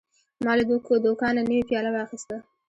ما له دوکانه نوی پیاله واخیسته.